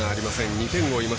２点を追います